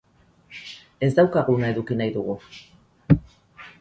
Ez daukaguna eduki nahi dugu.